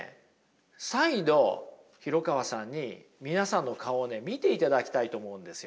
再度廣川さんに皆さんの顔を見ていただきたいと思うんですよ。